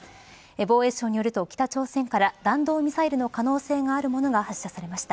防衛省によると、北朝鮮から弾道ミサイルの可能性があるものが発射されました。